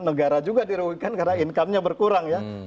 negara juga dirugikan karena income nya berkurang ya